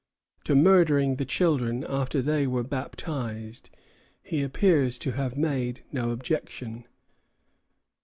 To murdering the children after they were baptized, he appears to have made no objection.